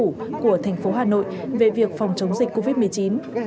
của thành phố hà nội về việc phòng chống dịch covid một mươi chín